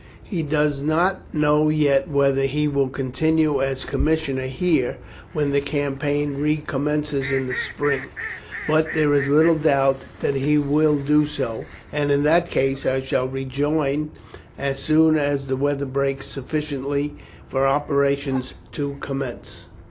He does not know yet whether he will continue as commissioner here when the campaign recommences in the spring; but there is little doubt that he will do so, and in that case I shall rejoin as soon as the weather breaks sufficiently for operations to commence.